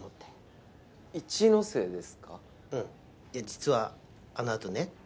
実はあのあとね。